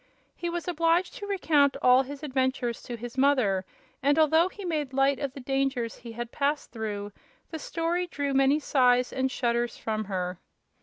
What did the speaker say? He was obliged to recount all his adventures to his mother and, although he made light of the dangers he had passed through, the story drew many sighs and shudders from her.